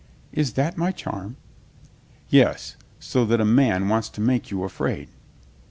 "Is that my charm?" "Yes. So that a man wants to make you afraid?"